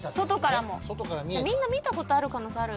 みんな見たことある可能性ある。